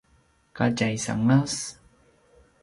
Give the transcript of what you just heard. ka tjaisangas